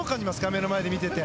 目の前で見ていて。